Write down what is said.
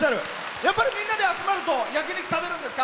やっぱり皆さんで集まると焼き肉、食べるんですか？